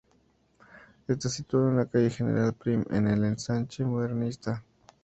Está situado en la calle General Prim, en el Ensanche Modernista.